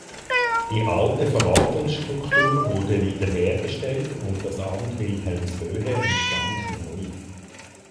Die alte Verwaltungsstruktur wurde wiederhergestellt und das Amt Wilhelmshöhe entstand neu.